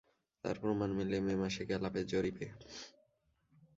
তার প্রমাণ মেলে মে মাসে গ্যালাপের জরিপেও।